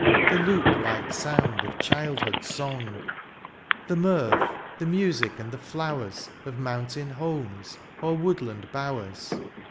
The lute like sound of childhood^s song ; The mirth, the music, and the flowers X)f mountain homes or woodland bowers.